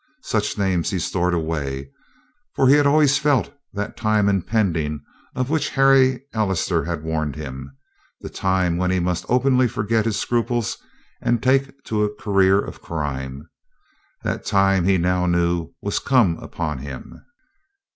Such names he stored away, for he had always felt that time impending of which Henry Allister had warned him, the time when he must openly forget his scruples and take to a career of crime. That time, he now knew, was come upon him.